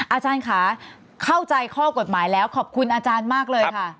อาจารย์ค่ะเข้าใจข้อกฎหมายแล้วขอบคุณอาจารย์มากเลยค่ะ